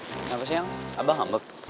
kenapa siang abah ngambek